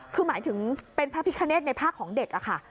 คือหมายถึงเป็นพระพิการ์เนสในภาคของเด็ก